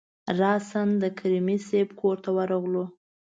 راسآ د کریمي صیب کورته ورغلو.